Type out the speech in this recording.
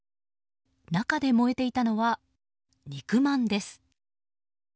中で燃えていたのは肉まんです。